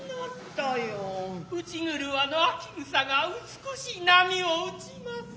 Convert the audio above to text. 内廓の秋草が美しい波を打ちます。